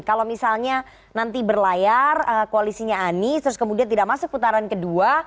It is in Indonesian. kalau misalnya nanti berlayar koalisinya anies terus kemudian tidak masuk putaran kedua